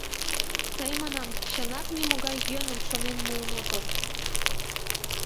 Тый, манам, чынак нимогай йӧным шонен муын отыл.